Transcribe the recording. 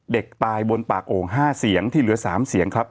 เด็กตายบนปากโอ่ง๕เสียงที่เหลือ๓เสียงครับ